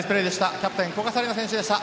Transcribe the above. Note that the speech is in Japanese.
キャプテン古賀紗理那選手でした。